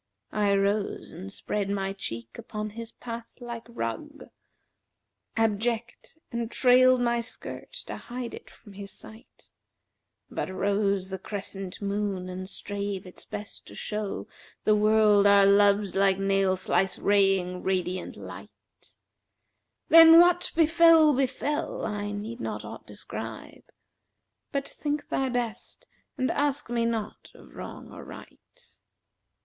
I rose and spread my cheek upon his path like rug, * Abject, and trailed my skirt to hide it from his sight; But rose the crescent moon and strave its best to show * The world our loves like nail slice raying radiant light:[FN#367] Then what befel befel: I need not aught describe; * But think thy best, and ask me naught of wrong or right.